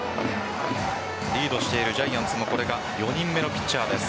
リードしているジャイアンツもこれが４人目のピッチャーです。